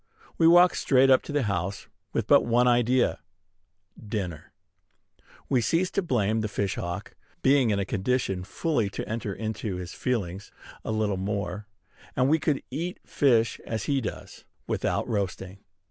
We walk straight up to the house, with but one idea, dinner. We cease to blame the fish hawk, being in a condition fully to enter into his feelings: a little more, and we could eat fish as he does, without roasting.